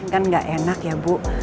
kan nggak enak ya bu